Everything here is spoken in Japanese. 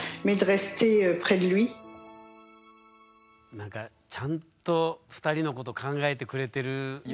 何かちゃんと２人のこと考えてくれてるねっママだよね。